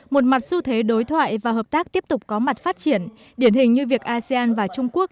một mặt xu thế đối thoại và hợp tác tiếp tục có mặt phát triển điển hình như việc asean và trung quốc